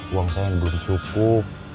uang saya belum cukup